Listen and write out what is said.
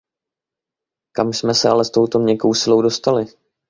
Kam jsme se ale s touto měkkou silou dostali?